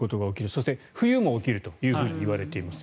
そして冬も起きるといわれています。